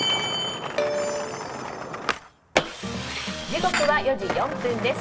時刻は４時４分です。